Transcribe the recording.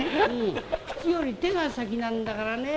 口より手が先なんだからね。